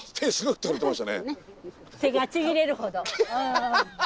手がちぎれるほど。